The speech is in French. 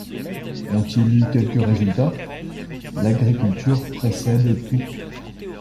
Ont-ils eu quelques résultats ? L'agriculture précède tout.